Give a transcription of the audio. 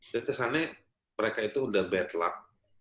dan kesannya mereka itu sudah bad luck